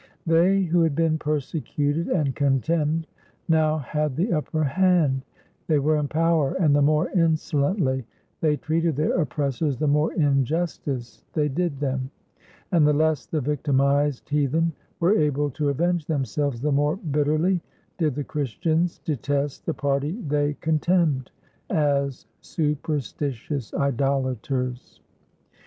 They, who had been persecuted and contemned, now had the upper hand; they were in power, and the more insolently they treated their oppressors, the more injustice they did them, and the less the victimized heathen were able to avenge themselves, the more bit terly did the Christians detest the party they contemned as superstitious idolaters.